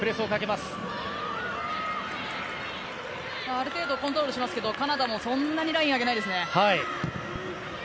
ある程度コントロールしますけどカナダもそんなにライン上げないですね。